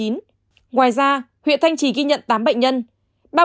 ngoài ra huyện thanh trì ghi nhận tám bệnh nhân